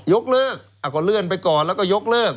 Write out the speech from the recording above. ยกเลิกก็เลื่อนไปก่อนแล้วก็ยกเลิก